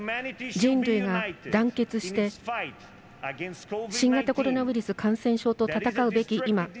人類が団結して新型コロナウイルス感染症と戦うべき今。